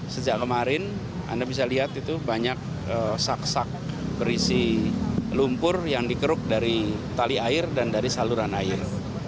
sejak kemarin anda bisa lihat itu banyak sak sak berisi lumpur yang dikeruk dari tali air dan dari saluran air